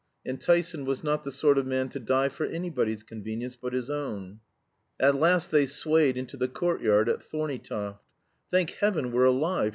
And Tyson was not the sort of man to die for anybody's convenience but his own. At last they swayed into the courtyard at Thorneytoft. "Thank heaven we're alive!"